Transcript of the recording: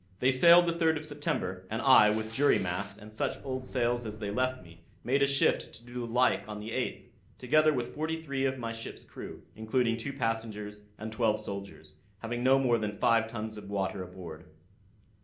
"They sailed the 3rd of September; and I, with jury masts, and such old sails as they left me, made a shift to do the like on the 8th, together with forty three of my ship's crew, including two passengers and twelve soldiers; having no more than five tuns of water aboard.